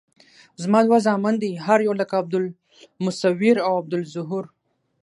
زما دوه زامن دي هر یو لکه عبدالمصویر او عبدالظهور.